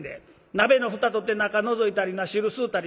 鍋の蓋取って中のぞいたりな汁吸うたりしとるわ。